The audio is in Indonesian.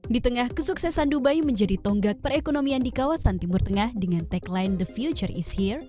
di tengah kesuksesan dubai menjadi tonggak perekonomian di kawasan timur tengah dengan tagline the future is year